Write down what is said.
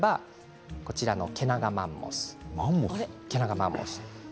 こちらのケナガマンモスです。